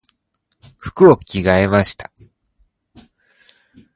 服を着替えました。